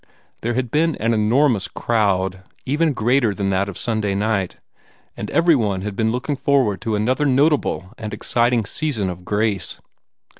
There had been an enormous crowd, even greater than that of Sunday night, and everybody had been looking forward to another notable and exciting season of grace.